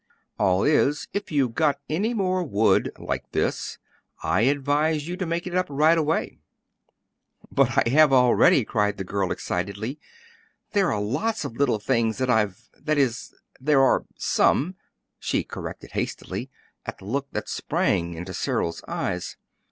"All is, if you've got any more wood like this I advise you to make it up right away." "But I have already!" cried the girl, excitedly. "There are lots of little things that I've that is, there are some," she corrected hastily, at the look that sprang into Cyril's eyes.